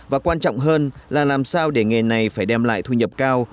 và quan trọng hơn là làm sao để nghề này phải đem lại thu nhập cao